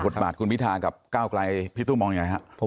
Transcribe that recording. บาทคุณพิธากับก้าวไกลพี่ตู้มองยังไงครับ